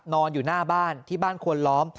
นอนอยู่หน้าบ้านที่บ้านควนล้อม